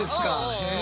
へえ。